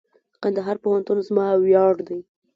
کندهار پوهنتون زما ویاړ دئ.